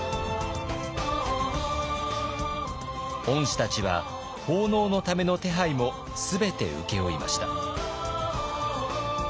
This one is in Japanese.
御師たちは奉納のための手配も全て請け負いました。